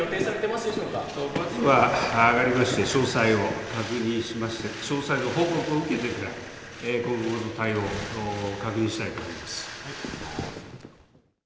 まずは、上がりまして、詳細を確認しまして、詳細の報告を受けてから、今後の対応確認したいと思います。